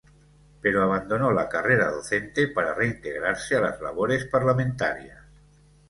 Pero abandonó la carrera docente para reintegrarse a las labores parlamentarias.